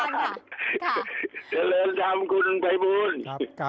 เฉริญท่ามคุณไปบูล